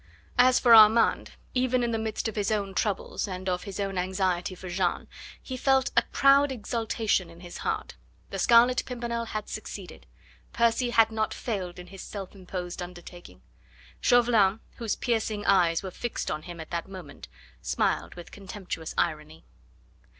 As for Armand even in the midst of his own troubles, and of his own anxiety for Jeanne, he felt a proud exultation in his heart. The Scarlet Pimpernel had succeeded; Percy had not failed in his self imposed undertaking. Chauvelin, whose piercing eyes were fixed on him at that moment, smiled with contemptuous irony.